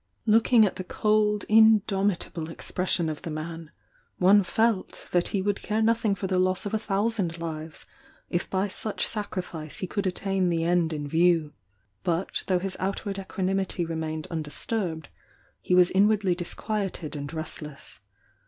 Looking at the cold, indomit able expression of the man, one felt that he would care nothing for the loss of a thousand lives, if by such sacrifice he could attain the end in view. But though his outwprd equanimity remained undis turbed, he was inwardly disquieted and restless.